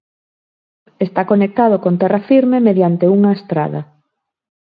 Está conectado con terra firme mediante unha estrada.